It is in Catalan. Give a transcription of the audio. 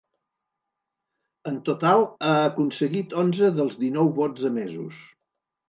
En total ha aconseguit onze dels dinou vots emesos.